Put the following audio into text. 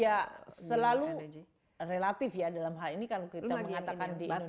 ya selalu relatif ya dalam hal ini kalau kita mengatakan di indonesia